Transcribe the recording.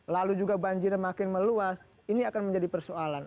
lalu juga banjirnya makin meluas ini akan menjadi persoalan